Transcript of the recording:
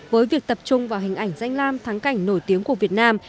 với việc tập trung vào hình ảnh danh lam thắng cảnh nổi tiếng của việt nam